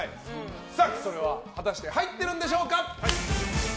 果たして入っているんでしょうか。